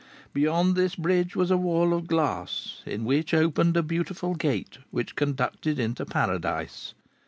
Beyond this bridge was a wall of glass, in which opened a beautiful gate, which conducted into Paradise.